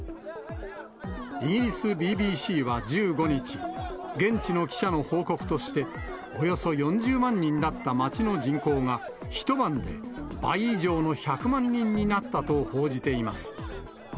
イギリスＢＢＣは１５日、現地の記者の報告として、およそ４０万人だった街の人口が、一晩で倍以上の１００万人になったと報じています。